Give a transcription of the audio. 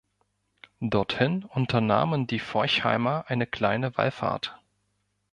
Dorthin unternahmen die Forchheimer eine kleine Wallfahrt.